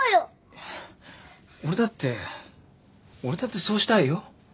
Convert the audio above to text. いや俺だって俺だってそうしたいよ。